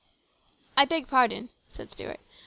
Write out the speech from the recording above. " I beg pardon," said Stuart.